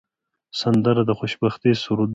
سندره د خوشبختۍ سرود دی